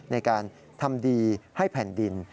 ในการทำดีให้แผ่นดิน